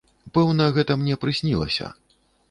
Пэўна, гэта мне прыснілася.